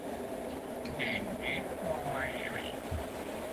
In his following appearance Puerto Rico outscored Sri Lanka.